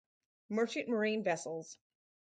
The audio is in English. Merchant Marine vessels.